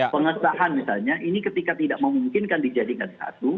pengesahan misalnya ini ketika tidak memungkinkan dijadikan satu